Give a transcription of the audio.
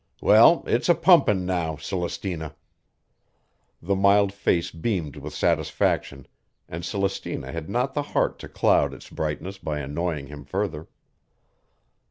Well, it's a pumpin' now, Celestina." The mild face beamed with satisfaction, and Celestina had not the heart to cloud its brightness by annoying him further.